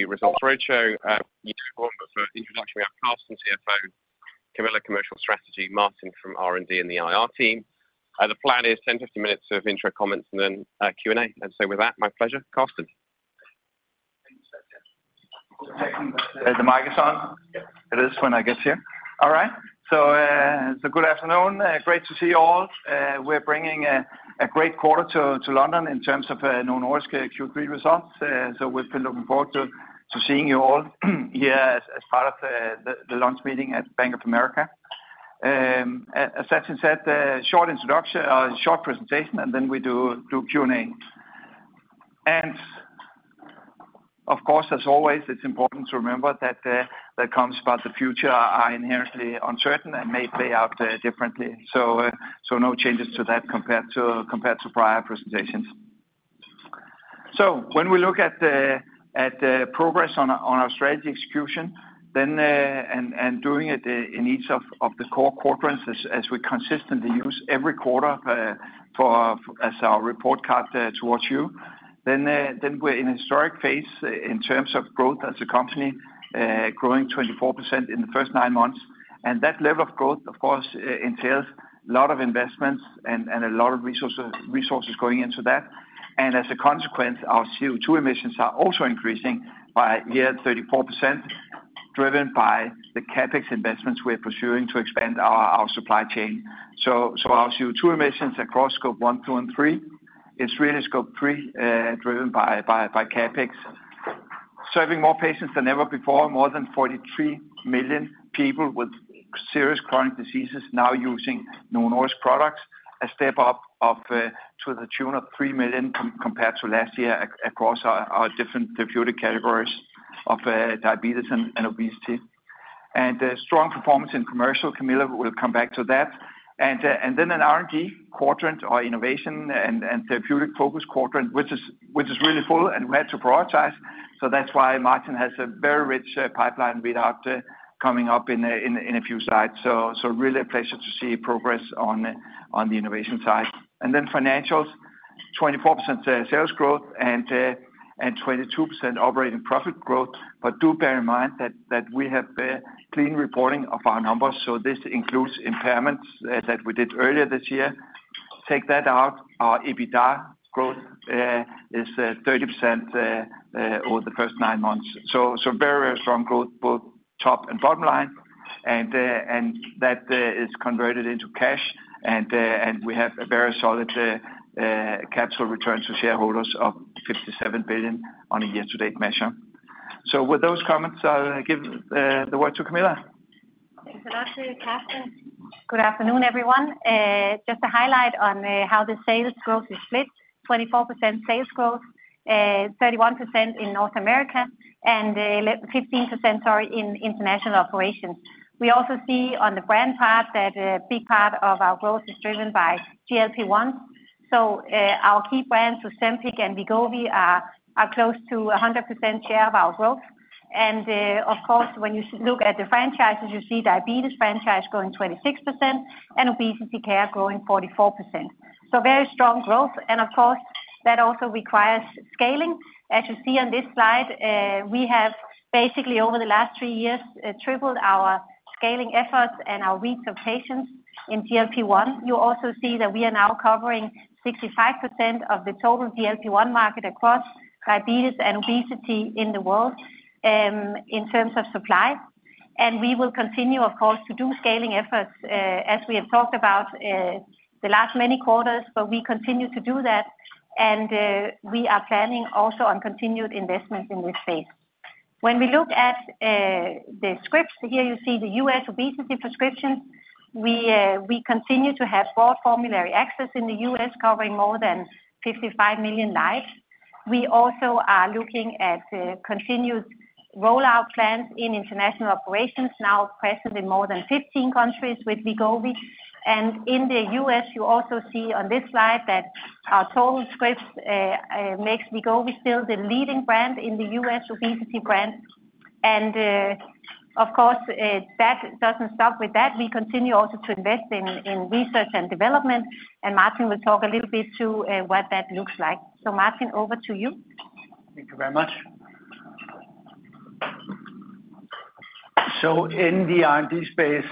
Results roadshow. For introduction, we have Karsten, CFO, Camilla. Commercial strategy, Martin from R&D and the IR team. The plan is 10-15 minutes of intro comments and then Q and A. And so with that, my pleasure. Karsten, the mic is on. It is when I get here. All right, so good afternoon. Great to see you all. We're bringing a great quarter to London in terms of Novo Nordisk Q3 results. So we've been looking forward to seeing you all here as part of the launch meeting at Bank of America. As Sachin said, short introduction, short presentation and then we do Q&A. And of course, as always, it's important to remember that the comments about the future are inherently uncertain and may play out differently. So no changes to that compared to prior presentations. When we look at progress on our strategy execution and doing it in each of the core quadrants, as we consistently use every quarter as our report card towards you, then we're in historic phase in terms of growth as a company, growing 24% in the first nine months. That level of growth of course in sales, a lot of investments and a lot of resources going into that. As a consequence, our CO2 emissions are also increasing by year, 34%, driven by the CapEx investments we're pursuing to expand our supply chain. Our CO2 emissions across Scope 1, 2 and 3, it's really Scope 3, driven by CapEx serving more patients than ever before. More than 43 million people with serious chronic diseases now using Novo Nordisk products, a step up to the tune of 3 million compared to last year across our different therapeutic categories of diabetes and obesity. Strong performance in commercial. Camilla will come back to that. Then an R&D quadrant or innovation and therapeutic focus quadrant, which is really full and we had to prioritize. That's why Martin has a very rich pipeline with that coming up in a few slides. Really a pleasure to see progress on the innovation side. Then financials, 24% sales growth and 22% operating profit growth. Do bear in mind that we have clean reporting of our numbers. This includes impairments that we did earlier this year. Take that out. Our EBITDA growth is 30% over the first nine months. Very strong growth both top and bottom line, and that is converted into cash, and we have a very solid capital return to shareholders of 57 billion on a year-to-date measure. With those comments, I'll give the word to Camilla. Thanks a lot, Karsten, and good afternoon everyone. Just a highlight on how the sales growth is split: 24% sales growth, 31% in North America and 15% in International Operations. We also see on the brand part that a big part of our growth is driven by GLP-1. So our key brands, Ozempic and Wegovy, are close to 100% share of our growth. And of course, when you look at the franchises, you see diabetes franchise growing 26% and obesity care growing 44%. So very strong growth. And of course that also requires scaling, as you see on this slide. We have basically over the last three years tripled our scaling efforts and our reach of patients in GLP-1. You also see that we are now covering 65% of the total GLP-1 market across diabetes and obesity in the world in terms of supply. We will continue, of course, to do scaling efforts as we have talked about the last many quarters, but we continue to do that and we are planning also on continued investments in this space. When we look at the scripts here, you see the U.S. obesity prescriptions. We continue to have broad formulary access in the U.S. covering more than 55 million lives. We also are looking at continuous rollout plans in International Operations now present in more than 15 countries with Wegovy and in the U.S. you also see on this slide that our total scripts make Wegovy, still the leading brand in the U.S. obesity brand. And of course that doesn't stop with that. We continue also to invest in research and development and Martin will talk a little bit through what that looks like. So Martin, over to you. Thank you very much. So in the R&D space,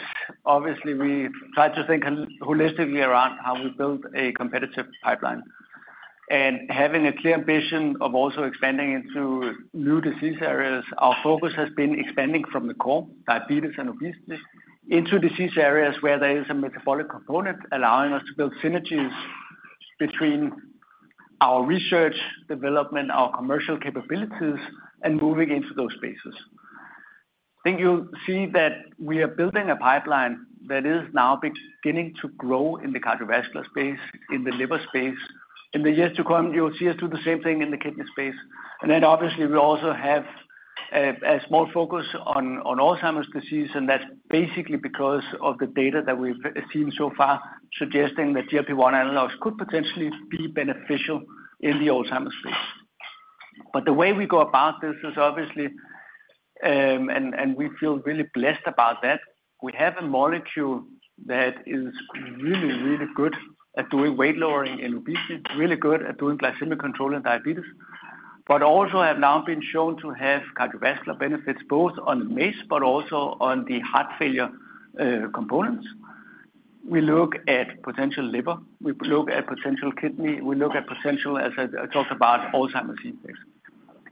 obviously we try to think holistically around how we build a competitive pipeline and having a clear ambition of also expanding into new disease areas. Our focus has been expanding from the core diabetes and obesity into disease areas where there is a metabolic component allowing us to build synergies between our research, development, our commercial capabilities and moving into those spaces. I think you'll see that we are building a pipeline that is now beginning to grow in the cardiovascular space, in the liver space. In the years to come, you'll see us do the same thing in the kidney space. And then obviously we also have a small focus on Alzheimer's disease. And that's basically because of the data that we've seen so far suggesting that GLP-1 analogs could potentially be beneficial in the Alzheimer's case. But the way we go about this is obviously, and we feel really blessed about that. We have a molecule that is really, really good at doing weight lowering and obesity, really good at doing glycemic control and diabetes, but also have now been shown to have cardiovascular benefits both on MACE but also on the heart failure components. We look at potential liver, we look at potential kidney, we look at potential, as I talked about Alzheimer's effects.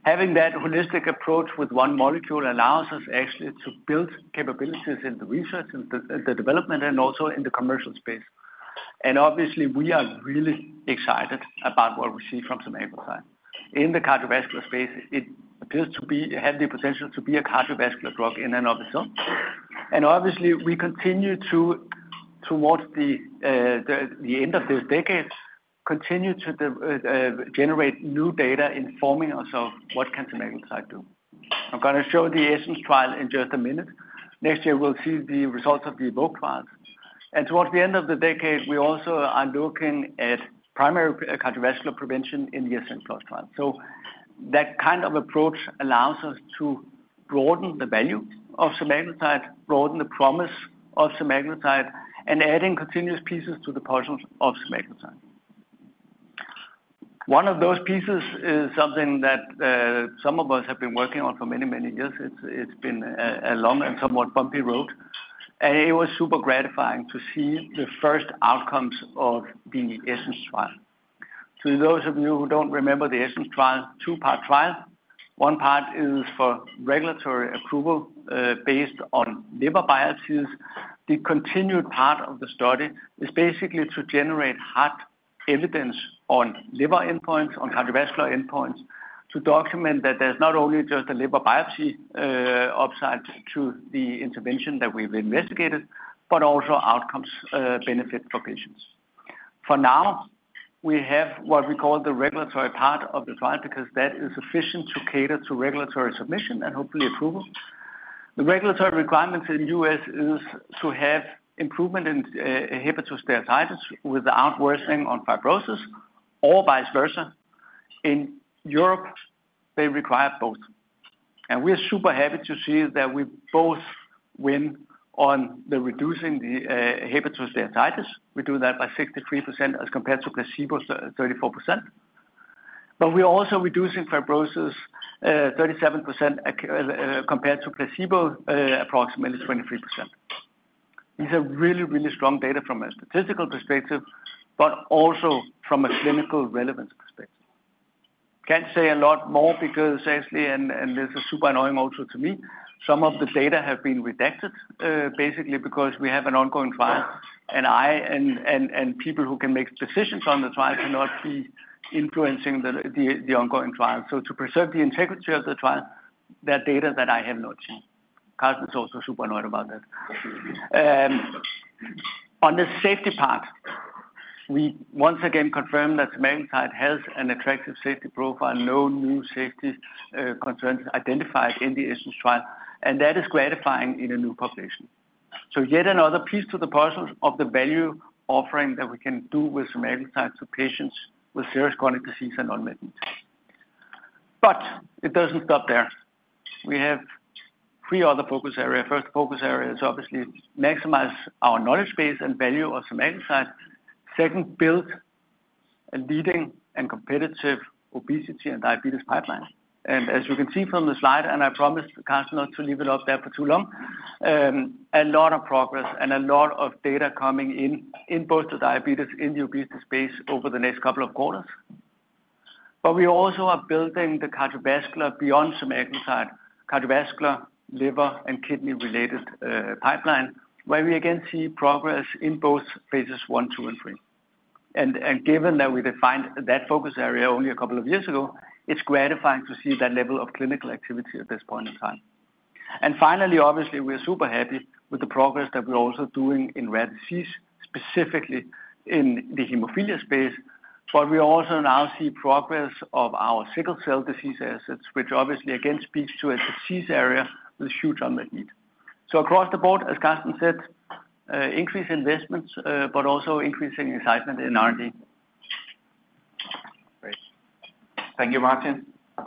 Having that holistic approach with one molecule allows us actually to build capabilities in the research and the development and also in the commercial space. Obviously we are really excited about what we see from semaglutide in the cardiovascular space. It appears to be had the potential to be a cardiovascular drug in and of itself. Obviously we continue towards the end of this decade, continue to generate new data informing us of what can semaglutide do. I'm going to show the ESSENCE trial in just a minute. Next year we'll see the results of the EVOKE trials and towards the end of the decade we also are looking at primary cardiovascular prevention in the ASCEND PLUS trial. So that kind of approach allows us to broaden the value of semaglutide, broaden the promise of semaglutide and adding continuous pieces to the proposition of semaglutide, one of those pieces is something that some of us have been working on for many, many years. It's been a long and somewhat bumpy road and it was super gratifying to see the first outcomes of the ESSENCE trial. To those of you who don't remember, the ESSENCE trial, two-part trial. One part is for regulatory approval based on liver biopsies. The continued part of the study is basically to generate hard evidence on liver endpoints, on cardiovascular endpoints, to document that there's not only just a liver biopsy upside to the intervention that we've investigated, but also outcomes benefit for patients. For now, we have what we call the regulatory part of the trial because that is sufficient to cater to regulatory submission and hopefully approval. The regulatory requirements in the U.S. is to have improvement in inflammation without worsening of fibrosis or vice versa. In Europe, they require both, and we are super happy to see that we both win. On reducing the inflammation, we do that by 63% as compared to placebo, 34%, but we are also reducing fibrosis, 37% compared to placebo, approximately 23%. These are really, really strong data from a statistical perspective, but also from a clinical relevance. Can't say a lot more because, and this is super annoying also to me, some of the data have been redacted basically because we have an ongoing trial, and I, and people who can make decisions on the trial cannot be influencing the ongoing trial, so to preserve the integrity of the trial there are data that I have not seen. Karsten is also super annoyed about that. On the safety part, we once again confirmed that semaglutide has an attractive safety profile. No new safety concerns identified in the ESSENCE trial, and that is gratifying in a new population, so yet another piece to the puzzle of the value offering that we can do with semaglutide to patients with serious chronic disease and MASH. But it doesn't stop there. We have three other focus areas. First, focus area is obviously maximize our knowledge base and value of semaglutide. Second, build a leading and competitive obesity and diabetes pipeline. And as you can see from the. So, I promised Karsten not to leave it up there for too long. A lot of progress and a lot of data coming in in both the diabetes and obesity space over the next couple of quarters. But we also are building the cardiovascular beyond diabetes, some disease-agnostic cardiovascular, liver and kidney related pipeline where we again see progress in both phases one, two, and three. And given that we defined that focus area only a couple of years ago, it's gratifying to see that level of clinical activity at this point in time. And finally, obviously we are super happy with the progress that we're also doing in rare disease, specifically in the hemophilia space. But we also now see progress of our sickle cell disease assets which obviously again speaks to a disease area with huge unmet need. So across the board, as Karsten said, increased investments but also increasing excitement in R&D. Thank you, Martin.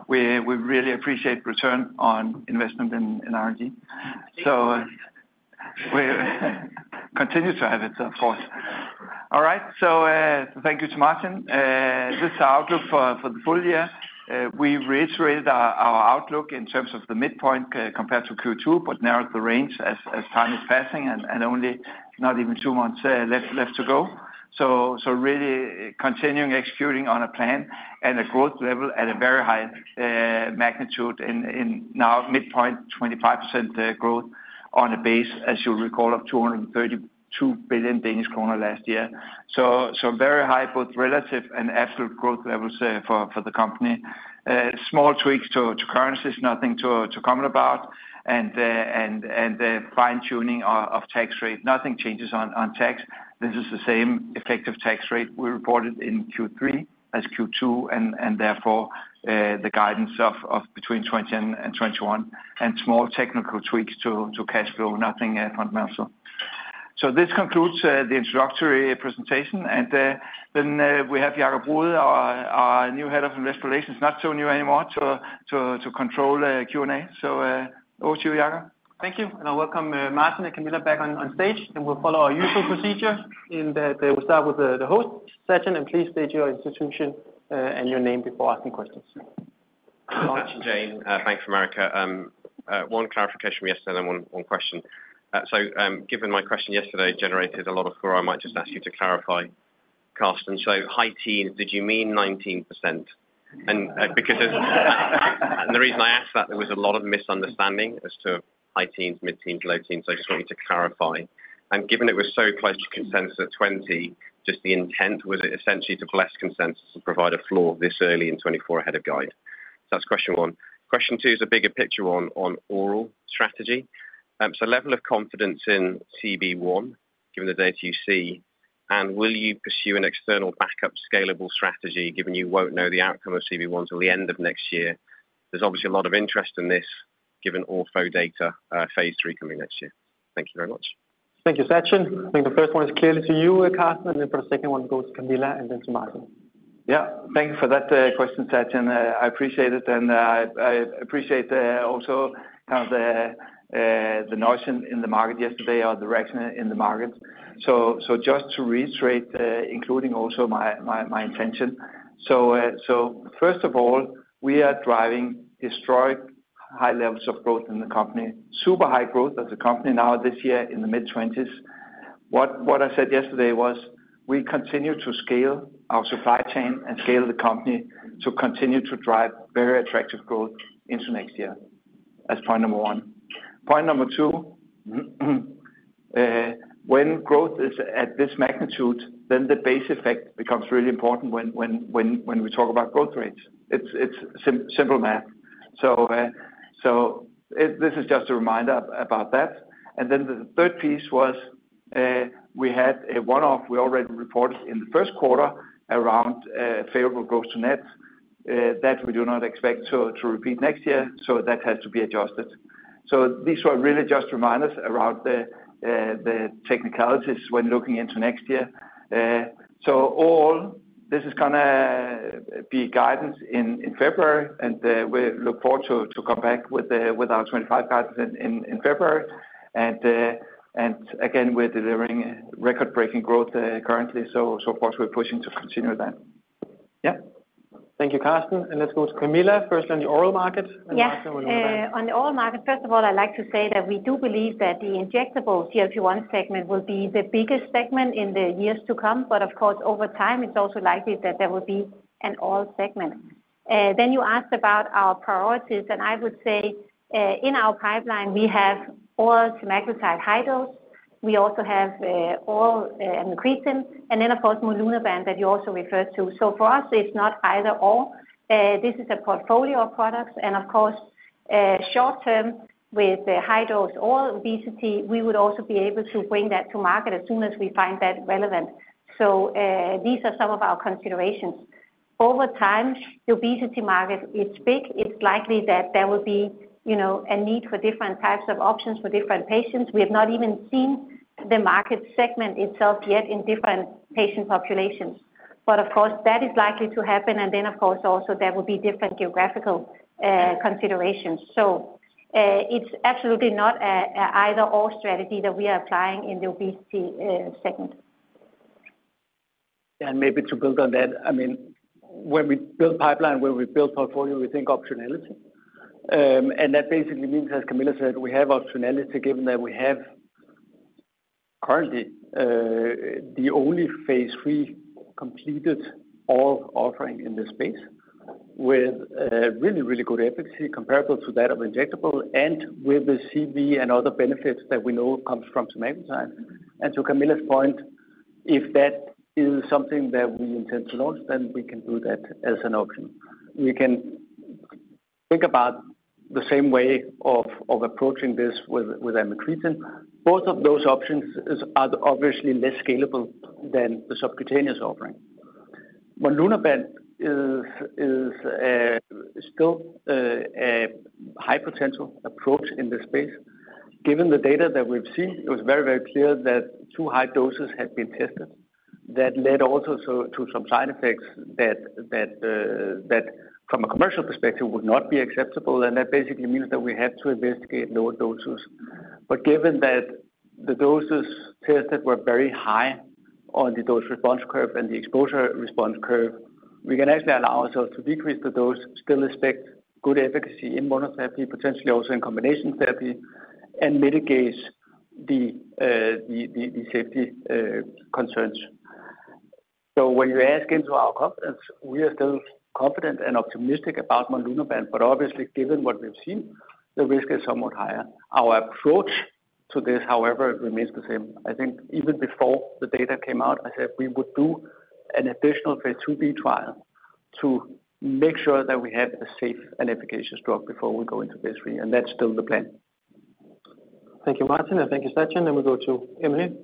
We really appreciate return on investment in R&D so we continue to have it of course. All right, so thank you to Martin. This outlook for the full year. We reiterated our outlook in terms of the midpoint compared to Q2, but narrowed the range as time is passing and only not even two months left to go. Really continuing executing on a plan and a growth level at a very high magnitude in now midpoint. 25% growth on a base as you recall of 232 billion Danish kroner last year. Very high both relative and absolute growth levels for the company. Small tweaks to currencies, nothing to comment about. The fine tuning of tax rate, nothing changes on tax. This is the same effective tax rate we reported in Q3 as Q2 and therefore the guidance between 20%-21% and small technical tweaks to cash flow, nothing fundamental. This concludes the introductory presentation and then we have Michael Novod, our new Head of Investor Relations, not so new anymore to control Q&A so over to you Michael. Thank you. I welcome Martin and Camilla back on stage, and we'll follow our usual procedure in that we'll start with the host session and please state your institution. And your name before asking questions. Sachin Jain. Bank of America. One clarification from yesterday and one question. Given my question yesterday generated a lot of floor, I might just ask you to clarify, Karsten. High teens, did you mean 19%? The reason I asked that there was a lot of misunderstanding as to high teens, mid teens, low teens. I just want you to clarify. Given it was so close to consensus at 20%, the intent was essentially to bless consensus and provide a floor this early in 2024 ahead of guide. That is question one. Question two is a bigger picture on oral strategy. Level of confidence in CB1 given the data you see. Will you pursue an external backup scalable strategy given you will not know the outcome of CB1 till the end of next year? There's obviously a lot of interest in this given orforglipron phase 3 data coming next year. Thank you very much. Thank you, Sachin. I think the first one is clearly to you, Karsten, and then the second one goes to Camilla and then to Martin. Yeah, thank you for that question, Sachin. I appreciate it. And I appreciate also the noise in the market yesterday or the reaction in the market. So just to reiterate, including also my. So first of all, we are driving historic high levels of growth in the company, super high growth as a company now this year in the mid-20s. What I said yesterday was we continue to scale our supply chain and scale the company to continue to drive very attractive growth into next year as point number one. Point number two, when growth is at this magnitude, then the base effect becomes really important when we talk about growth rates. It's simple math. So this is just a reminder about that. And then the third piece was we had a one off. We already reported in the first quarter around favorable gross-to-net that we do not expect to repeat next year, so that has to be adjusted, so these were really just reminders around the technicalities when looking into next year, so all this is going to be guidance in February and we look forward to come back with our 2025 guidance in February, and again we're delivering record-breaking growth currently, so for us we're pushing to continue that. Yeah, thank you, Karsten. Let's go to Camilla first on the oral market. Yeah, on the obesity market. First of all, I'd like to say that we do believe that the injectable GLP-1 segment will be the biggest segment in the years to come. But of course over time it's also likely that there will be an oral segment. Then you asked about our priorities and I would say in our pipeline we have oral semaglutide Rybelsus. We also have oral amycretin and then of course monlunabant that you also referred to. So for us it's not either or. This is a portfolio of products. And of course short term with high dose for obesity, we would also be able to bring that to market as soon as we find that relevant. So these are some of our considerations over time. The obesity market is big. It's likely that there will be a need for different types of options for different patients. We have not even seen the market segment itself yet in different patient populations. But of course that is likely to happen. And then of course also there will be different geographical considerations. So it's absolutely not either-or strategy that we are applying in the obesity segment. Maybe to build on that. I mean, when we build pipeline, when we build portfolio, we think optionality. That basically means, as Camilla said, we have optionality given that we have currently the only phase 3 completed oral offering in this space with really, really good efficacy comparable to that of injectable and with the CV and other benefits that we know comes from semaglutide. To Camilla's point, if that is something that we intend to launch, then we can do that as an option. We can think about the same way of approaching this with amycretin. Both of those options are obviously less scalable than the subcutaneous offering. monlunabant is still a high potential approach in this space. Given the data that we've seen, it was very, very clear that too high doses had been tested. That led also to some side effects that from a commercial perspective would not be acceptable, and that basically means that we had to investigate lower doses, but given that the doses tested were very high on the dose response curve and the exposure response curve, we can actually allow ourselves to decrease the dose, still expect good efficacy in monotherapy, potentially also in combination therapy, and mitigate the safety concerns, so when you ask into our confidence, we are still confident and optimistic about monlunabant, but obviously given what we've seen, the risk is somewhat higher. Our approach to this however, remains the same. I think even before the data came out, I said we would do an additional phase 2b trial to make sure that we have a safe and efficacious drug, before we go into phase three, and that's still the plan. Thank you, Martin, and thank you, Sachin. And then we go to Emily.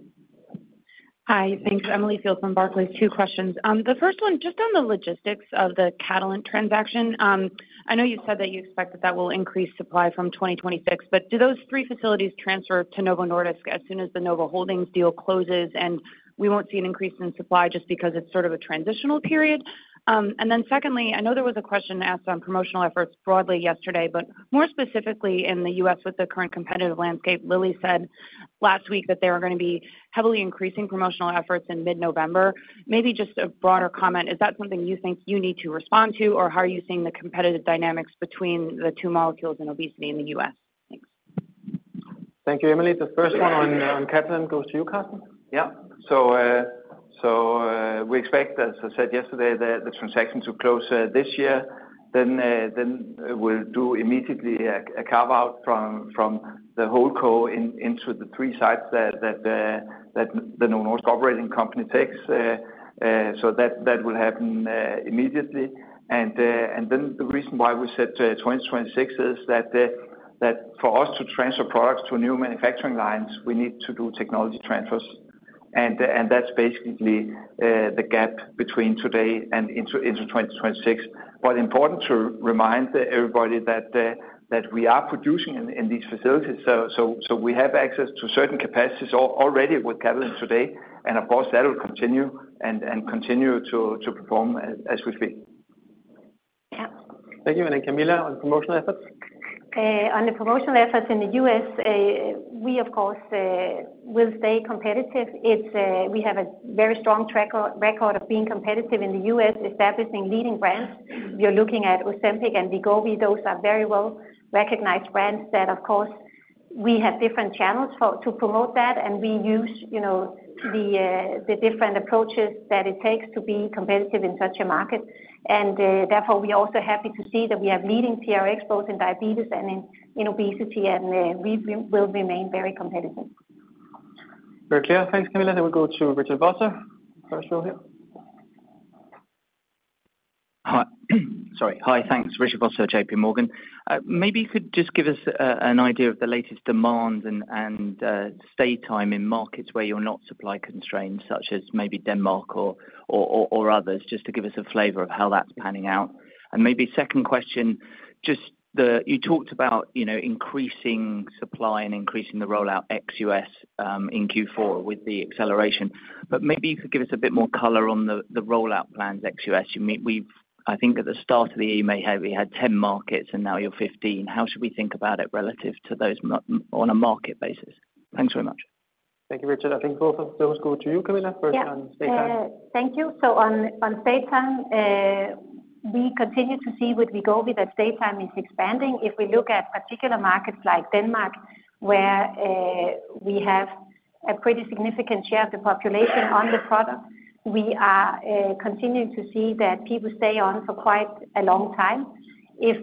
Hi, thanks. Emily Field from Barclays. Two questions, the first one just on the logistics of the Catalent transaction. I know you said that you expect that that will increase supply from 2026, but do those three facilities transfer to Novo Nordisk as soon as the Novo Holdings deal closes and we won't see an increase in supply just because it's sort of a transitional period. And then secondly, I know there was a question asked on promotional efforts broadly yesterday, but more specifically in the U.S. with the current competitive landscape, Lilly said last week that there are going to be heavily increasing promotional efforts in mid-November. Maybe just a broader comment. Is that something you think you need to respond to or how are you seeing the competitive dynamics between the two molecules and obesity in the U.S.? Thanks. Thank you, Emily. The first one on Catalent goes to you, Karsten. Yeah, so we expect, as I said yesterday, the transaction to close this year. Then we'll do immediately a carve out from the whole company into the three sites that the Novo Nordisk operating company takes. So that will happen immediately. And then the reason why we said 2026 is that for us to transfer products to new manufacturing lines, we need to do technology transfers and that's basically the gap between today and into 2026. But important to remind everybody that we are producing in these facilities. So we have access to certain capacities already with Catalent today and of course that will continue and continue to perform as we speak. Thank you. And Camilla, on promotional efforts, on the. Promotional efforts in the U.S., we of course will stay competitive. We have a very strong record of being competitive in the U.S. establishing leading brands. You're looking at Ozempic and Wegovy, those are very well recognized brands that of course we have different channels to promote that and we use the different approaches that it takes to be competitive in such a market. Therefore we also happy to see that we have leading TRx both in diabetes and in obesity and we will remain very competitive. Very clear. Thanks, Camilla. We go to Richard Vosser. Sorry, hi, thanks. Richard Vosser, JPMorgan. Maybe you could just give us an idea of the latest demand and supply. Time in markets where you're not supply. Constrained, such as maybe Denmark or others. Just to give us a flavor of. How that's panning out. And maybe second question just you talked about increasing supply and increasing the rollout ex-U.S. in Q4 with the acceleration. But maybe you could give us a bit more color on the rollout plans. Ex-US, I think, at the start. Of the EMEA we had 10 markets. Now you're 15. How should we think about it relative to those on a market basis? Thanks very much. Thank you, Richard. I think both of those go to you, Camilla, firsthand. Thank you. So on stay time we continue to see with Wegovy that stay time is expanding. If we look at particular markets like Denmark, where we have a pretty significant share of the population on the product, we are continuing to see that people stay on for quite a long time. It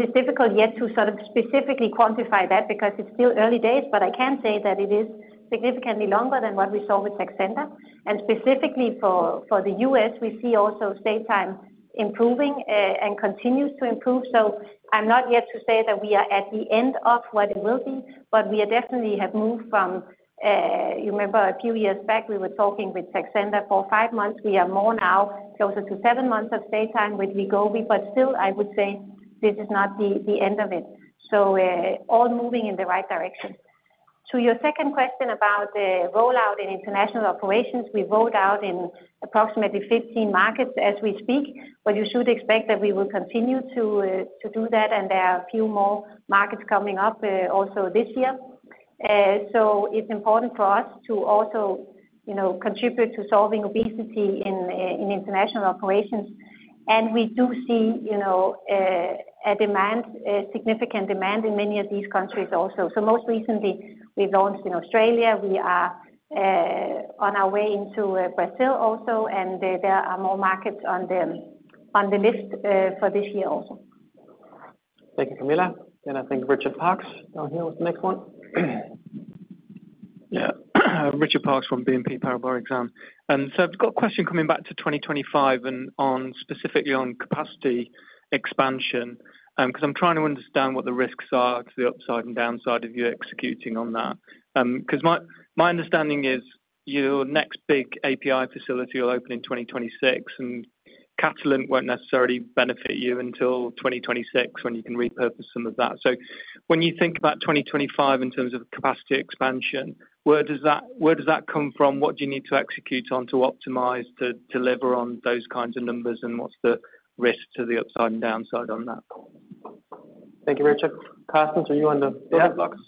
is difficult yet to sort of specifically quantify that because it's still early days, but I can say that it is significantly longer than what we saw with Saxenda. And specifically for the U.S. we see also stay time improving and continues to improve. So I'm not yet to say that we are at the end of what it will be, but we definitely have moved from you remember a few years back we were talking with Saxenda for five months. We are more now closer to seven months of stay time with Wegovy. But still, I would say this is not the end of it. So all moving in the right direction to your second question about the rollout in International Operations. We rolled out in approximately 15 markets as we speak, but you should expect that we will continue to do that. And there are a few more markets coming up also this year. So it's important for us to also contribute to solving obesity in International Operations. And we do see significant demand in many of these countries also. So most recently we've launched in Australia. We are on our way into Brazil also. And there are more markets on the list for this year also. Thank you, Camilla, and I think Richard Parkes here with the next one. Yeah, Richard Parkes from BNP Paribas Exane. And so I've got a question coming back to 2025 and specifically on capacity expansion, because I'm trying to understand what. The risks are to the upside and. Downside of you executing on that, because my understanding is your next big API facility will open in 2026 and Catalent won't necessarily benefit you until 2026 when you can repurpose some of that. So when you think about 2025 in terms of capacity expansion, where does that come from? What do you need to execute on? To optimize to deliver on those kinds. On numbers and what's the risk to the upside and downside on that? Thank you, Richard. Karsten, to you on the building blocks.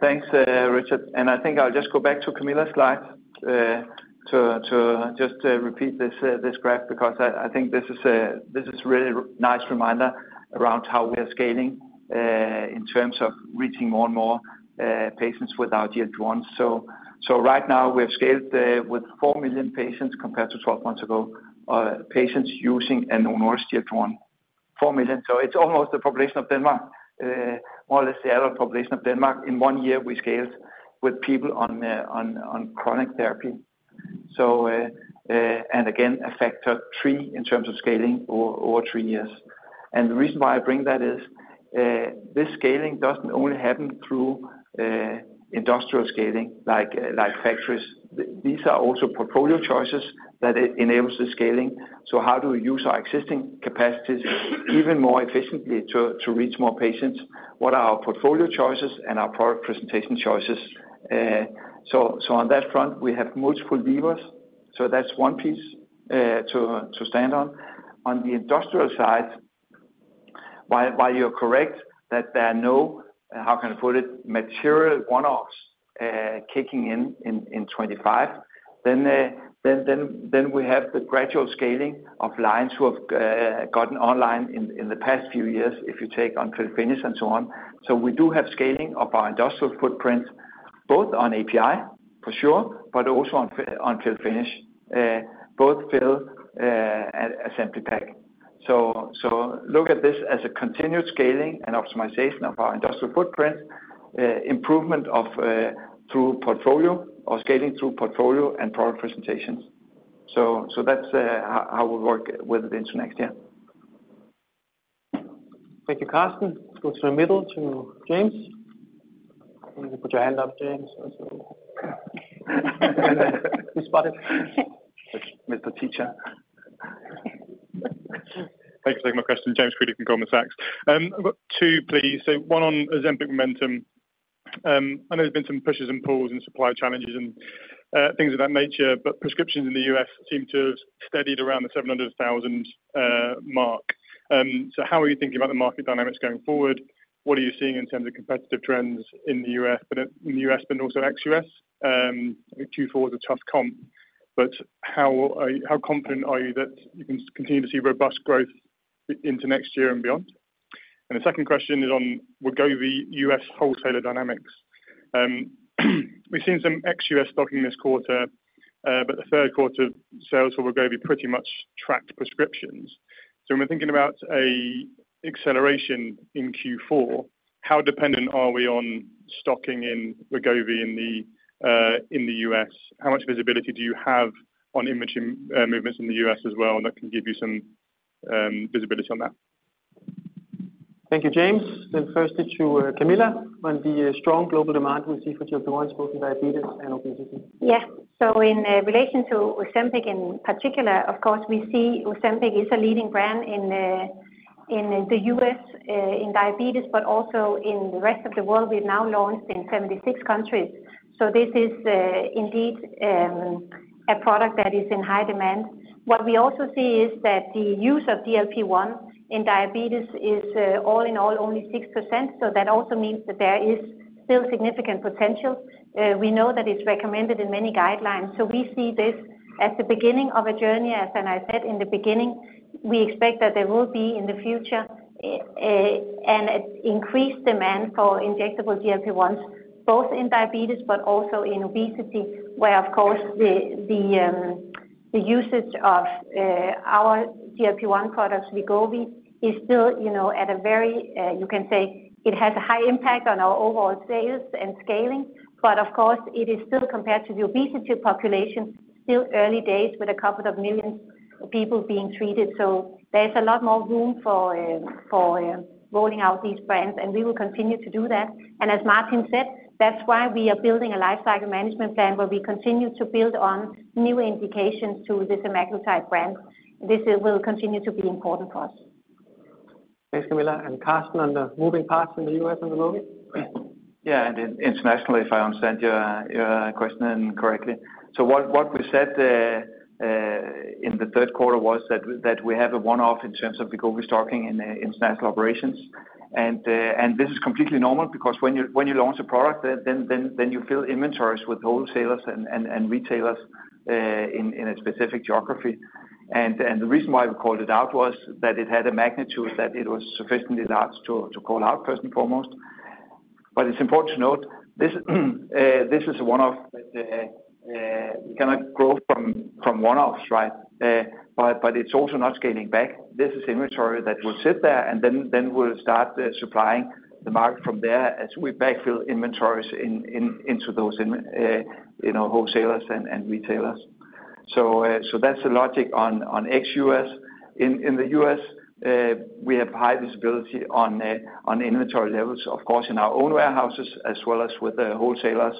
Thanks, Richard. And I think I'll just go back to Camilla's slide to just repeat this graph because I think this is really nice reminder around how we are scaling in terms of reaching more and more patients with Ozempic and Wegovy. So right now we have scaled with four million patients compared to 12 months ago. Patients using Ozempic or Wegovy four million. So it's almost the population of Denmark more or less the adult population of Denmark. In one year we scaled with people on chronic therapy. And again a factor three in terms of scaling over three years. And the reason why I bring that is this scaling doesn't only happen through industrial scaling like factories. These are also portfolio choices that enables the scaling. So how do we use our existing capacities even more efficiently to reach more patients? What are our portfolio choices and our product presentation choices? So on that front we have multiple levers, so that's one piece to stand on on the industrial side. While you're correct that there are no, how can I put it, material one-offs kicking in in 2025. Then we. Have the gradual scaling of lines who have gotten online in the past few years if you take on fill-finish and so on. So we do have scaling of our industrial footprint both on API for sure, but also on fill-finish, both fill assembly pack. So look at this as a continued scaling and optimization of our industrial footprint. Improvement through portfolio or scaling through portfolio and product presentations. So that's how we work with it into next year. Thank you, Karsten. Let's go through the middle to James. Put your hand up, James. Mr. Teacher. Thanks for taking my question. James from Goldman Sachs, two, please. So one on Ozempic momentum and there's been some pushes and pulls and supply challenges and things of that nature, but prescriptions in the U.S. seem to have steadied around the 700,000 mark. So how are you thinking about the market dynamics going forward? What are you seeing in terms of competitive trends in the U.S. but in the U.S. but also ex-U.S.? Q4 was a tough comp. But how confident are you that you can continue to see robust growth into next year and beyond? And the second question is on Wegovy, the U.S. wholesaler dynamics? We've seen some ex-U.S. stocking this quarter, but the third quarter sales for Wegovy be pretty much tracked prescriptions. When we're thinking about an acceleration in Q4, how dependent are we on stocking in Wegovy in the U.S.? How much visibility do you have on inventory movements in the U.S. as well? That can give you some visibility on that. Thank you, James. Then, firstly, to Camilla on the strong global demand we see for GLP-1 both in diabetes and obesity. Yes. So in relation to Ozempic in particular, of course we see Ozempic is a leading brand in the US in diabetes, but also in the rest of the world. We've now launched in 76 countries. So this is indeed a product that is in high demand. What we also see is that the use of GLP-1 in diabetes is all in all only 6%. So that also means that there is still significant potential. We know that it's recommended in many guidelines. So we see this at the beginning of a journey. As I said in the beginning, we expect that there will be in the future an increased demand for injectable GLP-1s, both in diabetes but also in obesity. Where, of course, the usage of our GLP-1 products, Wegovy is still, you know, at a very, you can say it has a high impact on our overall sales and scaling. But of course it is still compared to the obesity population, still early days with a couple of millions of people being treated. So there's a lot more room for rolling out these brands and we will continue to do that. And as Martin said, that's why we are building a lifecycle management plan where we continue to build on new indications to this semaglutide brand. This will continue to be important for us. Thanks Camilla and Karsten on the moving parts in the U.S. and the move. Yeah. Internationally, if I understand your question correctly. So what we said in the third quarter was that we have a one-off in terms of the GLP-1 restocking in International Operations. And this is completely normal because when you launch a product then you fill inventories with wholesalers and retailers in a specific geography. And the reason why we called it out was that it had a magnitude that it was sufficiently large to call out first and foremost. But it's important to note this is one that cannot grow from one-offs. Right. But it's also not coming back. This is inventory that will sit there and then we'll start supplying the market from there as we backfill inventories into those wholesalers and retailers. That's the logic on ex-U.S. In the U.S. we have high visibility on inventory levels, of course in our own warehouses as well as with wholesalers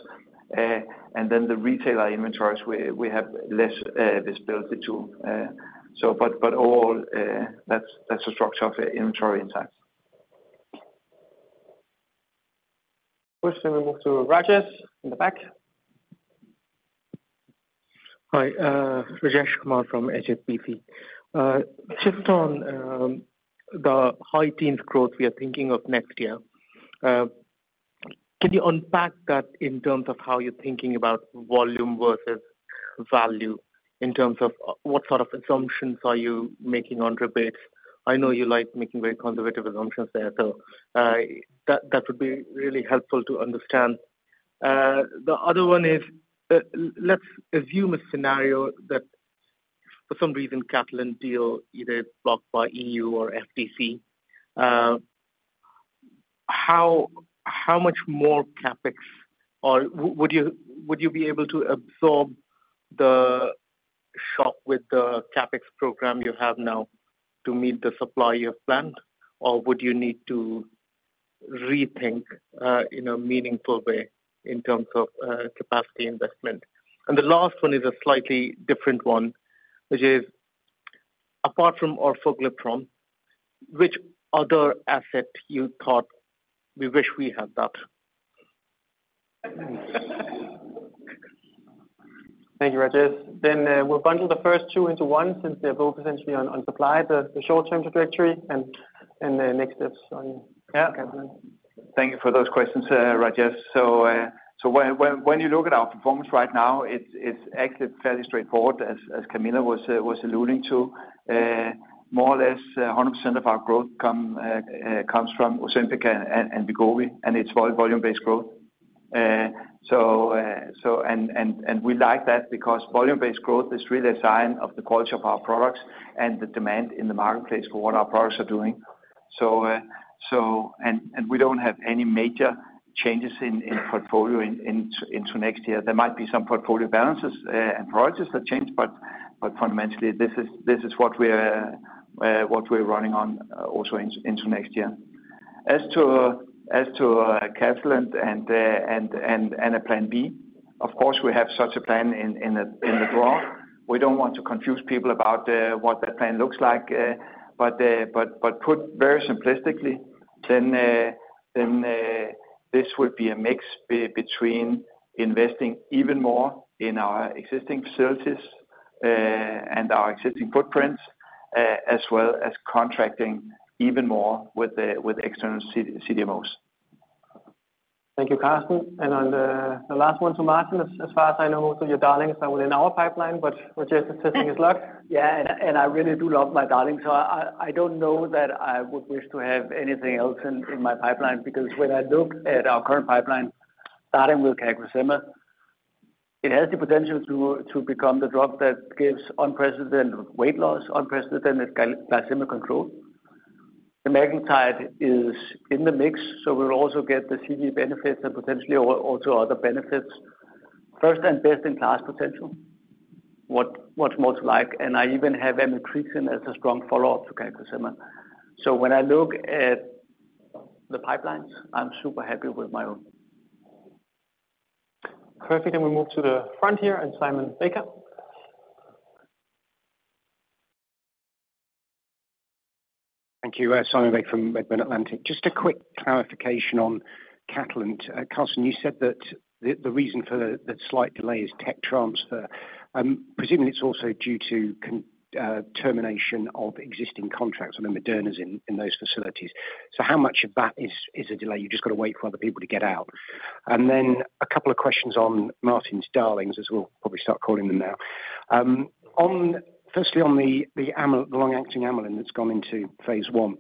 and then the retailer inventories we have less visibility to. But all that's the structure of inventory in that. First let me move to Rajesh in the back. Hi, Rajesh Kumar from HSBC. Just on the high teens growth we are thinking of next year. Can you unpack that in terms of how you're thinking about volume versus value in terms of what sort of assumptions are you making on rebates? I know you like making very conservative assumptions there, so that would be really helpful to understand. The other one is let's assume a scenario that for some reason Catalent deal either blocked by EU or FTC. How much more CapEx would you be able to absorb the shock with the CapEx program you have now to meet the supply you have planned or would you need to rethink in a meaningful way in terms of capacity investment? And the last one is a slightly different one which is apart from orforglipron which other asset you thought we wish we had that. Thank you, Rajesh. Then we'll bundle the first two into one since they're both essentially on supply, the short term trajectory and the next steps on. Thank you for those questions, Rajesh. So when you look at our performance right now, it's actually fairly straightforward. As Camilla was alluding to, more or less 100% of our growth comes from Ozempic and Wegovy and it's volume-based growth. And we like that because volume-based growth is really a sign of the quality of our products and the demand in the marketplace for what our products are doing. And we don't have any major changes in portfolio into next year. There might be some portfolio balances and projects that change but. But fundamentally this is what we're running on also into next year. As to Catalent and a plan B, of course we have such a plan in the drawer. We don't want to confuse people about what that plan looks like. But put very simplistically then this would be a mix between investing even more in our existing facilities and our existing footprints, as well as contracting even more with external CDMOs. Thank you, Karsten. And on the last one to Martin. As far as I know, most of your darlings are within our pipeline, but Rajesh is testing his luck. Yeah, and I really do love my darling. So I don't know that I would wish to have anything else in my pipeline because when I look at our current pipeline, starting with CagriSema, it has the potential to become the drug that gives unprecedented weight loss, unprecedented glycemic control. Semaglutide is in the mix, so we'll also get the CVD benefits and potentially also other benefits. First- and best-in-class potential. What's most like. And I even have amycretin as a strong follow-up to CagriSema. So when I look at the pipelines, I'm super happy with my own. Perfect, and we move to the front here, and Simon Baker. Thank you. Simon Baker from Redburn Atlantic. Just a quick clarification on Catalent. Karsten, you said that the reason for that slight delay is tech transfer. Presumably it's also due to termination of existing contracts. I mean Moderna's in those facilities. So how much of that is a delay? You just got to wait for other people to get out. And then a couple of questions on Martin's darlings, as we'll probably start calling them now. Firstly on the long acting amylin that's gone into phase 1.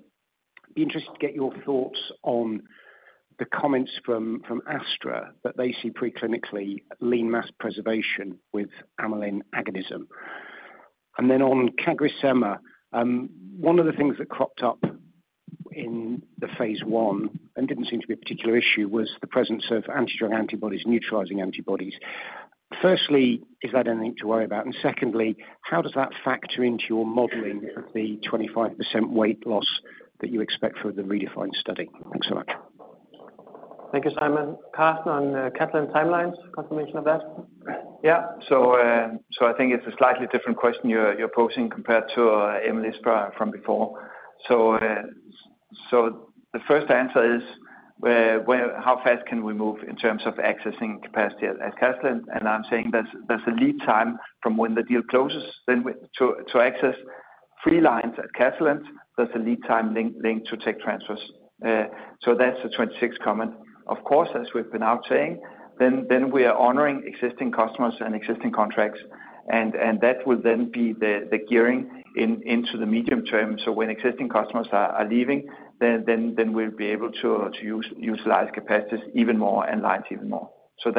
I'd be interested to get your thoughts on the comments from AstraZeneca that they see preclinically lean mass preservation with amylin agonism. And then on CagriSema, one of the things that cropped up in the phase 1 and didn't seem to be a particular issue was the presence of antidrug antibodies, neutralizing antibodies. Firstly, is that anything to worry about? And secondly, how does that factor into your modeling of the 25% weight loss that you expect for the REDEFINE study? Thanks so much. Thank you. Simon, Karsten on Catalent timelines confirmation of that. Yeah, so I think it's a slightly different question you're posing compared to Emily's from before. So the first answer is how fast can we move in terms of accessing capacity at Catalent? And I'm saying there's a lead time from when the deal closes to access three lines at Catalent. There's a lead time linked to tech transfers. So that's the key comment. Of course, as we've been out saying then, we are honoring existing customers and existing contracts and that will then be the gearing into the medium term. So when existing customers are leaving then we'll be able to utilize capacities even more and like even more. So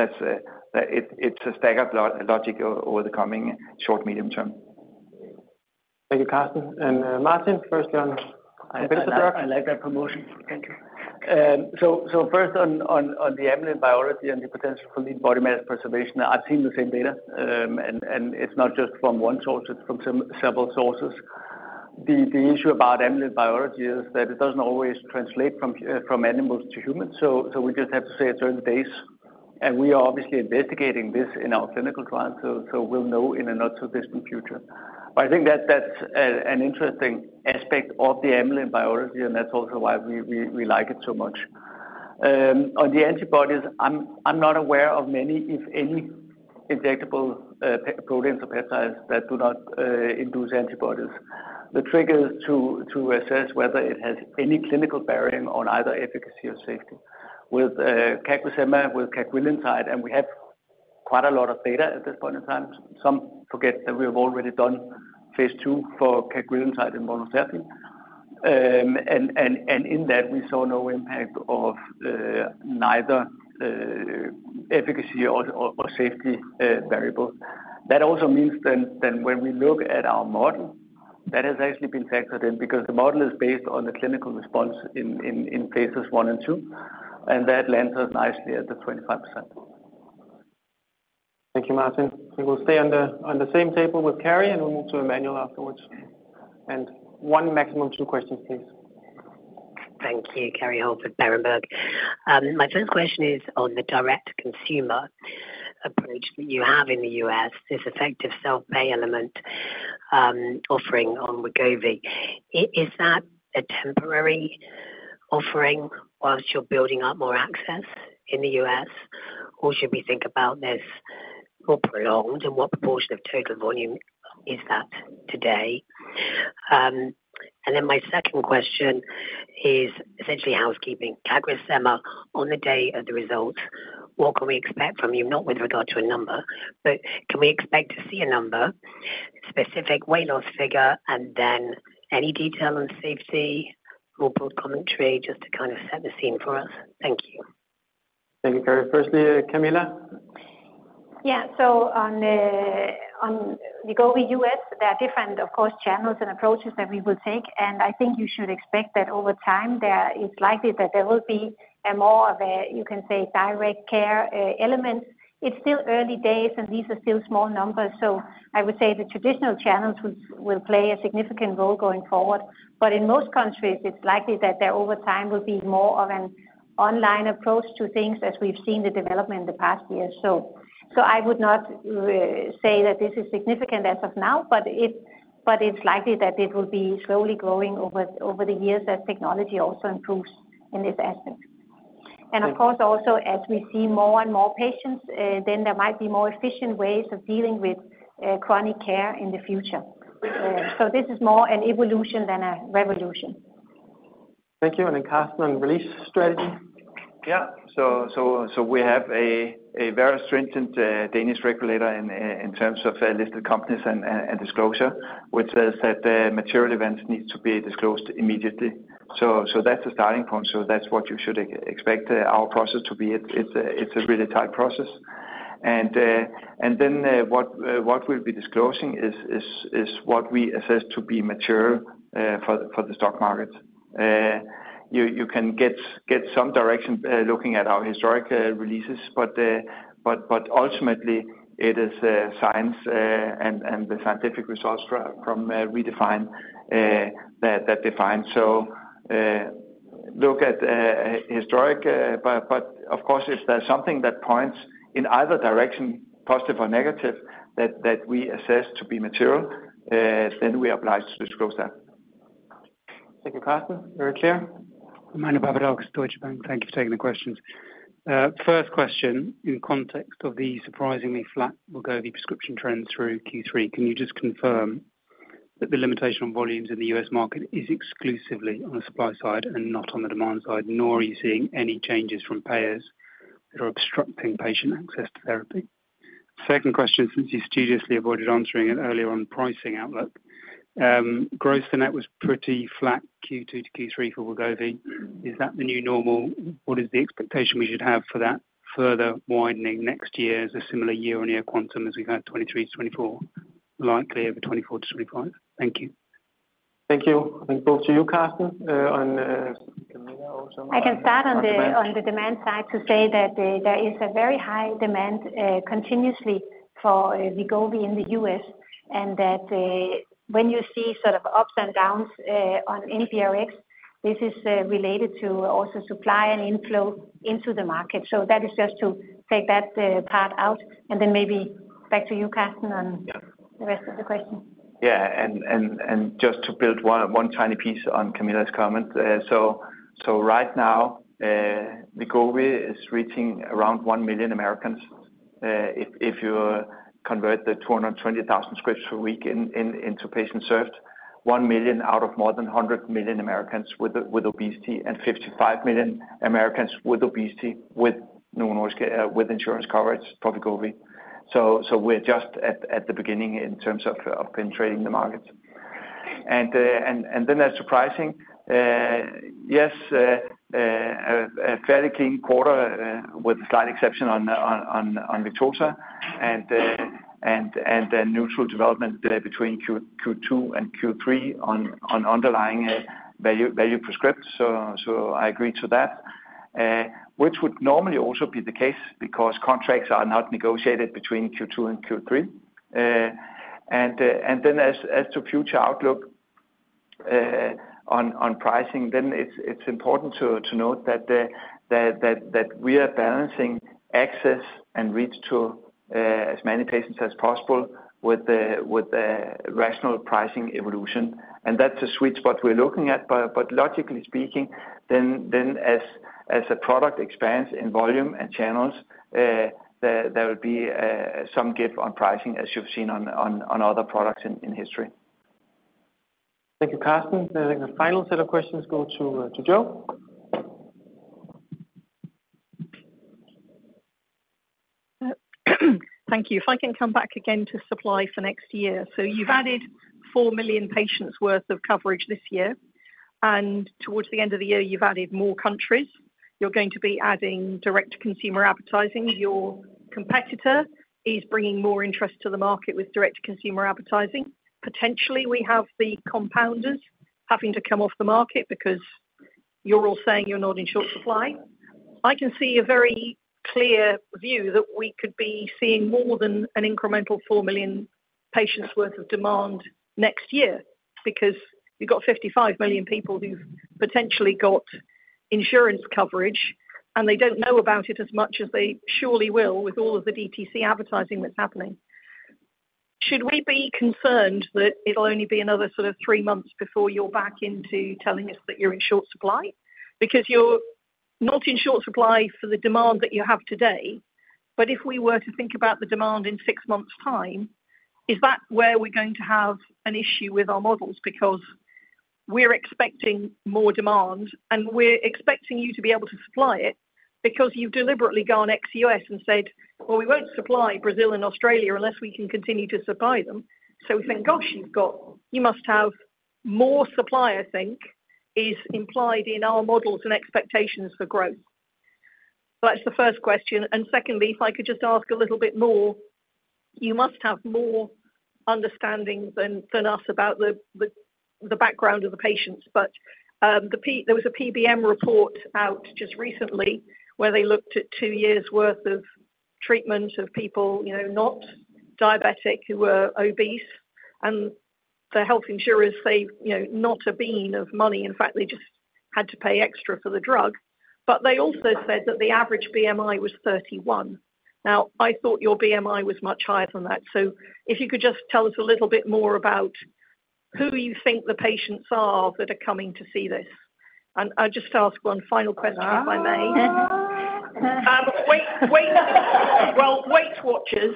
it's a staggered logic over the coming short, medium term. Thank you, Karsten and Martin first. I like that promotion. Thank you. So first on the amylin biology and the potential for the lean body mass preservation, I've seen the same data and it's not just from one source, it's from several sources. The issue about amylin biology is that it doesn't always translate from animals to humans. So we just have to wait and see and we are obviously investigating this in our clinical trial, so we'll know in a not so distant future. I think that's an interesting aspect of the amylin biology and that's also why we like it so much. On the antibodies I'm not aware of many if any injectable proteins or peptides that do not induce antibodies. The key is to assess whether it has any clinical bearing on either efficacy or safety with CagriSema with cagrilintide. And we have quite a lot of data at this point in time. Some forget that we have already done phase two for cagrilintide and monotherapy and in that we saw no impact of neither efficacy or safety variable. That also means then when we look at our model, that has actually been factored in because the model is based on the clinical response in phases one and two, and that lands us nicely at the 25%. Thank you, Martin. We will stay on the same table with Kerry and we'll move to Emmanuel afterwards. And one, maximum two questions. Thank you, Kerry Holford, Berenberg. My first question is on the direct consumer approach that you have in the U.S. This effective self-pay element offering on Wegovy, is that a temporary offering while you're building up more access in the U.S. or should we think about this more prolonged? And what proportion of total volume is that today? And then my second question is essentially housekeeping CagriSema on the day of the results, what can we expect from you? Not with regard to a number, but can we expect to see a number specific weight loss figure and then any detail on safety or broad commentary just to kind of set the scene for us. Thank you. Thank you very much, firstly, Camilla. Yeah, so on the GLP-1s, there are different, of course, channels and approaches that we will take and I think you should expect that over time it's likely that there will be more of a, you can say direct care element. It's still early days and these are still small numbers. So I would say the traditional channels will play a significant role going forward, but in most countries it's likely that there over time will be more of an online approach to things as we've seen the development in the past year or so. So I would not say that this is significant as of now, but it's likely that it will be slowly growing over the years as technology also improves in this aspect. Of course also as we see more and more patients, then there might be more efficient ways of dealing with chronic care in the future. This is more an evolution than a revolution. Thank you, and a Karsten on release strategy. Yeah, so we have a very stringent Danish regulator in terms of listed companies and disclosure which says that material events need to be disclosed immediately. So that's the starting point. So that's what you should expect our process to be. It's a really tight process and then what we'll be disclosing is what we assess to be mature for the stock market. You can get some direction looking at our historic releases, but ultimately it is science and the scientific results from REDEFINE that defines so look at historic. But of course if there's something that points in either direction, positive or negative, that we assess to be material, then we are obliged to disclose that. Thank you, Karsten. Very clear. Thank you for taking the questions. First question, in context of the surprisingly flat Wegovy prescription trends through Q3, can you just confirm that the limitation on? Volumes in the U.S. market is exclusively. On the supply side and not on the demand side? Nor are you seeing any changes from payers that are obstructing patient access to therapy? Second question, since you studiously avoided answering it earlier on pricing outlook gross-to-net was pretty flat Q2 to Q3 for Wegovy. Is that the new normal? What is the expectation we should have for that further widening next year as? A similar year-on-year quantum as. We've had 23, 24, likely over 24 to 25. Thank you. Thank you. And both to you, Karsten. I can start on the demand side to say that there is a very high demand continuously for Wegovy in the U.S. and that when you see sort of ups and downs on NBRx, this is related to also supply and inflow into the market. So that is just to take that part out and then maybe back to you Karsten, and the rest of the question. Yeah, and just to build one tiny piece on Camilla's comment. So right now the Wegovy is reaching around 1 million Americans. If you convert the 220,000 scripts per week into patients served, 1 million out of more than 100 million Americans with obesity and 55 million Americans with obesity with no access to care with insurance coverage. So we're just at the beginning in terms of penetrating the markets and then as surprising, yes, a fairly clean quarter with a slight exception on Victoza and a neutral development between Q2 and Q3 on underlying volume prescribed. So I agree to that, which would normally also be the case because contracts are not negotiated between Q2 and Q3. And then, as to future outlook on pricing, then it's important to note that we are balancing access and reach to as many patients as possible with the rational pricing evolution, and that's a sweet spot we're looking at. But logically speaking, then as a product expands in volume and channels, there will be some give on pricing, as you've seen on other products in history. Thank you, Karsten. The final set of questions go to Jo. Thank you. If I can come back again to supply for next year. So you've added four million patients worth of coverage this year and towards the end of the year you've added more countries. You're going to be adding direct to consumer advertising. Your competitor is bringing more interest to the market with direct to consumer advertising. Potentially we have the compounders having to come off the market because you're all saying you're not in short supply. I can see a very clear view that we could be seeing more than an incremental four million patients worth of demand next year because you've got 55 million people who've potentially got insurance coverage and they don't know about it as much as they surely will with all of the DTC advertising that's happening. Should we be concerned that it'll only be another sort of three months before you're back into telling us that you're in short supply? Because you're not in short supply for the demand that you have today, but if we were to think about the demand in six months time, is that where we're going to have an issue with our models? Because we're expecting more demand and we're expecting you to be able to supply it because you've deliberately gone ex U.S. and said, well, we won't supply Brazil and Australia unless we can continue to supply them. So we think, gosh, you've got, you must have more supply, I think is implied in our models and expectations for growth. That's the first question, and secondly, if I could just ask a little bit more, you must have more understanding than us about the background of the patients. But there was a PBM report out just recently where they looked at two years worth of treatment of people not diabetic who were obese. And the health insurers saved not a bean of money. In fact, they just had to pay extra for the drug. But they also said that the average BMI was 31. Now, I thought your BMI was much higher than that. So if you could just tell us a little bit more about who you think the patients are that are coming to see this. And I'll just ask one final question, if I may. Weight Watchers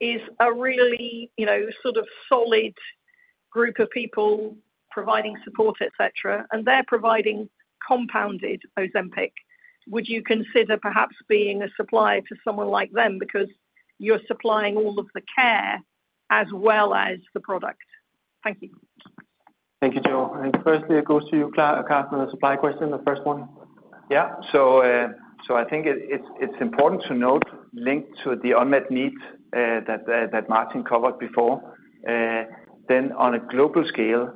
is a really sort of solid group of people providing support, etc. And they're providing compounded Ozempic. Would you consider perhaps being a supplier to someone like them? Because you're supplying all of the care as well as the product. Thank you. Thank you, Jo. Firstly, it goes to you, Karsten. The supply question, the first one. Yeah. I think it's important to note, linked to the unmet need that Martin covered before, then on a global scale,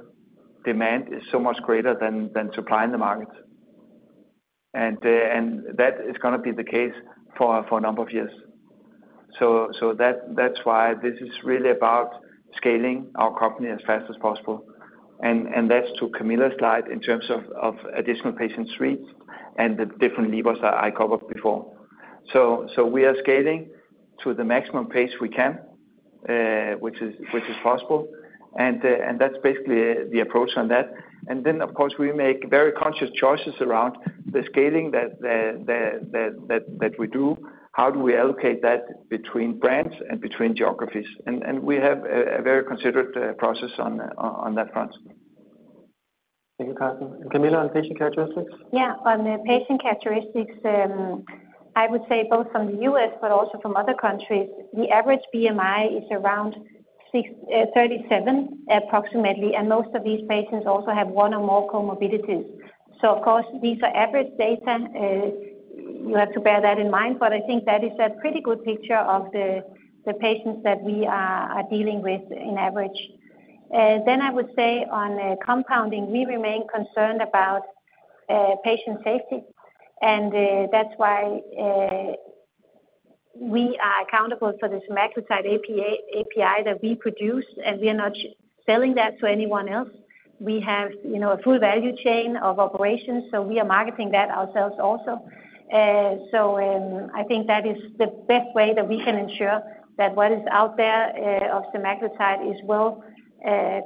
demand is so much greater than supply in the market and that is going to be the case for a number of years, so that's why this is really about scaling our company as fast as possible, and that's to Camilla's slide in terms of additional patient starts and the different levers I covered before, so we are scaling to the maximum pace we can, which is possible, and that's basically the approach on that, and then of course, we make very conscious choices around the scaling that we do. How do we allocate that between brands and between geographies, and we have a very considerate process on that front. Thank you, Karsten. Camilla, on patient characteristics. Yeah, on the patient characteristics, I would say both from the US but also from other countries, and most of these patients also have one or more comorbidities, so of course these are average data. You have to bear that in mind, but I think that is a pretty good picture of the patients that we are dealing with on average, then I would say on compounding, we remain concerned about patient safety and that's why we are accountable for this semaglutide API that we produce and we are not selling that to anyone else. We have, you know, a full value chain of operations, so we are marketing that ourselves also. So I think that is the best way that we can ensure that what is out there of semaglutide is well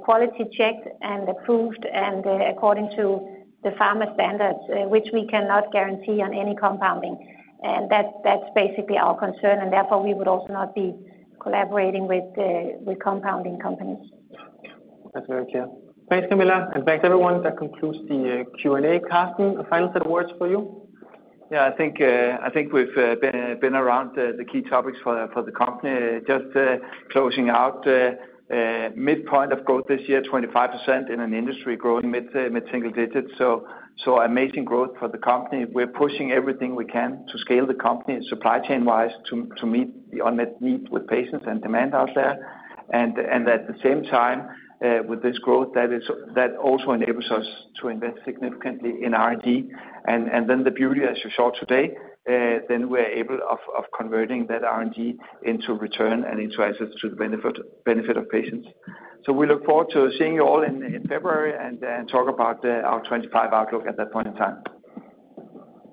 quality checked and approved and according to the pharma standards, which we cannot guarantee on any compounding. And that's basically our concern. And therefore we would also not be collaborating with compounding companies. That's very clear. Thanks, Camilla, and thanks everyone. That concludes the Q and A. Karsten, a final set of words for you. Yeah, I think we've been around the key topics for the company. Just closing out midpoint of growth this year, 25% in an industry growing mid-single digits. So amazing growth for the company. We're pushing everything we can to scale the company supply chain wise to meet the unmet need with patients and demand out there. And at the same time with this growth that also enables us to invest significantly in R&D. And then the beauty as you saw today, then we're able of converting that R&D into return and into access to the benefit of patients. So we look forward to seeing you all in February and talk about our 2025 outlook at that point in time.